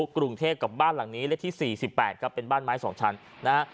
กรุงเทพกับบ้านหลังนี้เลขที่๔๘ครับเป็นบ้านไม้๒ชั้นนะฮะ